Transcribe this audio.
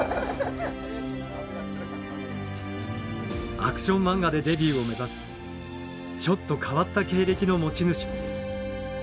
アクション漫画でデビューを目指すちょっと変わった経歴の持ち主も。